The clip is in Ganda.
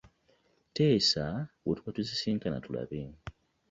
Teesa we tuba tusinkana tulabe.